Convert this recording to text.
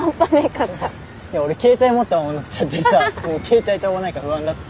いや俺携帯持ったまま乗っちゃってさ携帯飛ばないか不安だった。